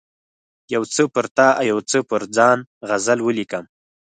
یو څه پر تا او یو څه پر ځان غزل ولیکم.